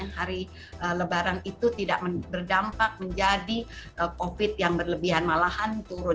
hari lebaran itu tidak berdampak menjadi covid yang berlebihan malahan turun